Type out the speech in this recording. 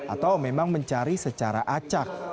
atau memang mencari secara acak